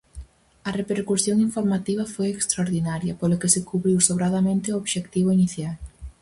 A repercusión infomativa foi extraordinaria, polo que se cubriu sobradamente o obxectivo inicial.